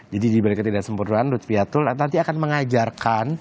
jadi di berketinggian sempurnaan luthvia tool nanti akan mengajarkan